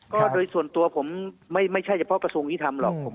ก็โดยส่วนตัวผมไม่ใช่เฉพาะกระทรวงยุทธรรมหรอก